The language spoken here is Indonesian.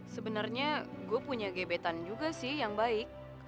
sebenarnya gue punya gebetan juga sih yang baik